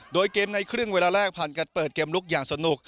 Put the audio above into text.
โดยเกมในครึ่งเวลาแรกผ่านการเปิดเกมลุกอย่างสนุก